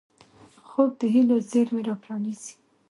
خوب د هیلو زېرمې راپرانيزي